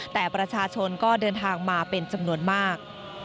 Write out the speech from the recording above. แต่ประชาชนก็เดินทางมาเป็นจำนวนมาก